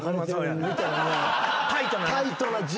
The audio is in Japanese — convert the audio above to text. タイトなな。